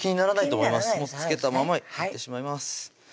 付けたままいってしまいます